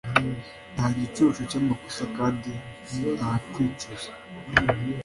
nta gicucu cyamakosa, kandi nta kwicuza.